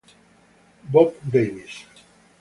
Bob Davis